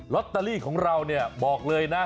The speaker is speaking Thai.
ลอตเตอรี่ของเราบอกเลยนะ